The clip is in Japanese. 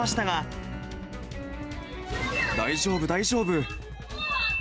大丈夫、大丈夫。